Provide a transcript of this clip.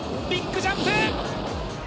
ビッグジャンプ。